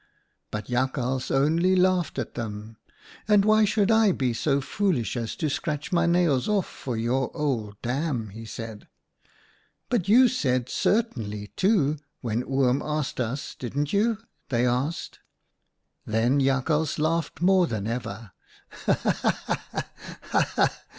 " But Jakhals only laughed at them. 'And why should I be so foolish as to scratch my nails off for your old dam ?' he said. "' But you said " Certainly," too, when Oom asked us, didn't you ?' they asked. " Then Jakhals laughed more than ever. ' Ha ha ha ! Ha ha ha